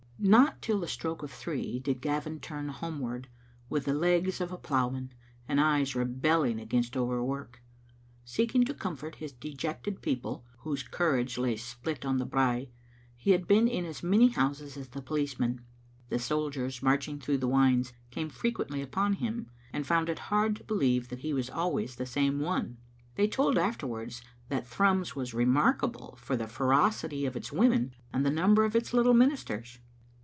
Not till the stroke of three did Gavin turn homeward, with the legs of a ploughman, and eyes rebelling against over work. Seeking to comfort his dejected people, whose conrage lay spilt on the brae, he had been in as many houses as the policemen. The soldiers marching through the wynds came frequently upon him, and found it hard to believe that he was always the same one. They told afterwards that Thrums was remark able for the ferocity of its women, and the number of its little ministers.